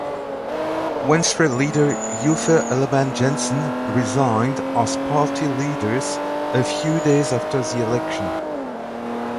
Venstre leader Uffe Ellemann-Jensen resigned as party leaders a few days after the election.